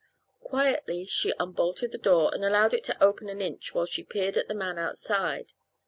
Quietly she unbolted the door and allowed it to open an inch while she peered at the man outside.